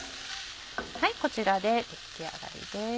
はいこちらで出来上がりです。